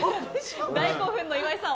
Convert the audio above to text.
大興奮の岩井さん